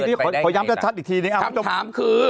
พยายามจะชัดอีกทีหนึ่งคำถามคือ